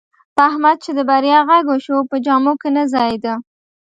په احمد چې د بریا غږ وشو، په جامو کې نه ځایېدا.